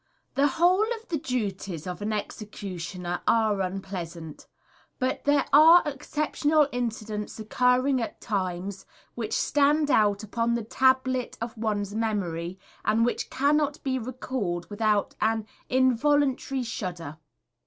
The whole of the duties of an executioner are unpleasant, but there are exceptional incidents occurring at times, which stand out upon the tablet of one's memory, and which can not be recalled without an involuntary shudder.